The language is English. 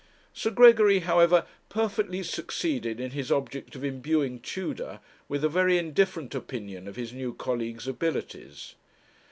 Sir Gregory, however, perfectly succeeded in his object of imbuing Tudor with a very indifferent opinion of his new colleague's abilities.